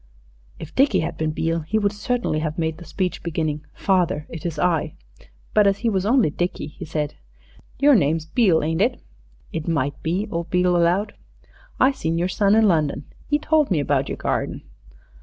If Dickie had been Beale he would certainly have made the speech, beginning, "Father, it is I." But as he was only Dickie, he said "Your name's Beale, ain't it?" "It might be," old Beale allowed. "I seen your son in London. 'E told me about yer garden."